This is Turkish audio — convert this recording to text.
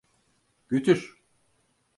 Götür.